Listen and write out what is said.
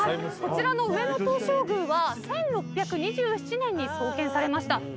こちらの上野東照宮は１６２７年に創建されました。